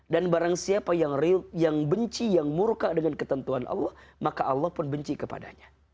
dan barang siapa yang benci yang murka dengan ketentuan allah maka allah pun benci kepadanya